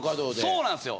そうなんすよ。